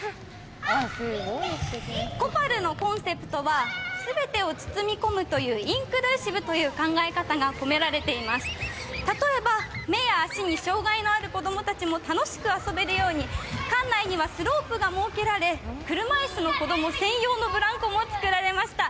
コパルのコンセプトは全てを包み込むというインクルーシブという考え方が込められています、例えば、目や足に障害のある子供たちも楽しく遊べるように館内にはスロープが設けられ車いすの子ども専用のブランコも作られました。